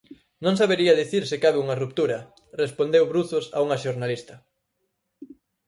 "Non sabería dicir se cabe unha ruptura", respondeu Bruzos a unha xornalista.